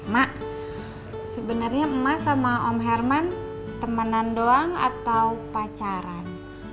mak sebenarnya emas sama om herman temanan doang atau pacaran